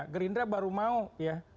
gerindra baru mau ya